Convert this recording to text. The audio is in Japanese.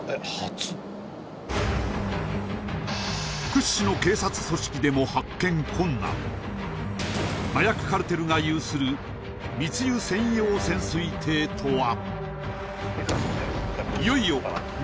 屈指の警察組織でも発見困難麻薬カルテルが有する密輸専用潜水艇とは？